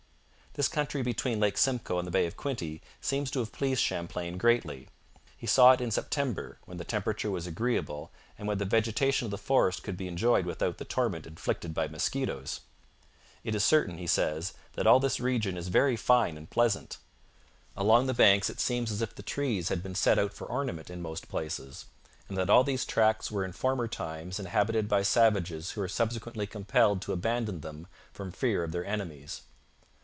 This country between Lake Simcoe and the Bay of Quinte seems to have pleased Champlain greatly. He saw it in September, when the temperature was agreeable and when the vegetation of the forest could be enjoyed without the torment inflicted by mosquitoes. 'It is certain,' he says, 'that all this region is very fine and pleasant. Along the banks it seems as if the trees had been set out for ornament in most places, and that all these tracts were in former times inhabited by savages who were subsequently compelled to abandon them from fear of their enemies.